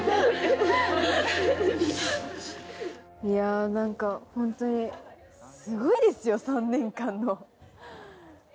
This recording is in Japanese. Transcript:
いや何か本当にすごいですよ３年間の。